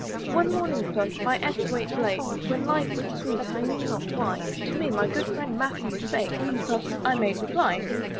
One morning thus, by Esthwaite lake, When life was sweet I knew not why, To me my good friend Matthew spake, And thus I made reply.